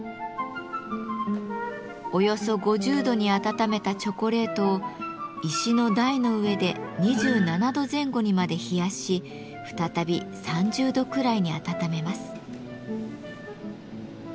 およそ５０度に温めたチョコレートを石の台の上で２７度前後にまで冷やし再び３０度くらいに温めます。